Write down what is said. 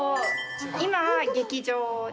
今は劇場に。